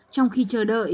trong khi chờ đợi